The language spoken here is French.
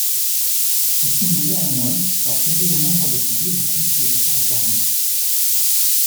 Il finit néanmoins par céder aux membres les plus bellicistes des forces armées.